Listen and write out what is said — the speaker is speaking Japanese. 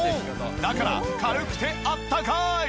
だから軽くてあったかい！